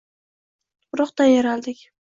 Tuproqdan yaraldik.